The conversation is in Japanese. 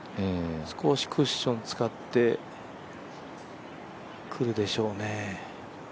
少しクッション使ってくるでしょうね。